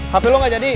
hape lu ga jadi